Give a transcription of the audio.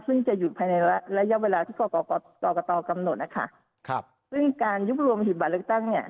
ซึ่งจะหยุดภายในระยะเวลาที่กรกตกรกตกำหนดนะคะครับซึ่งการยุบรวมหีบบัตรเลือกตั้งเนี่ย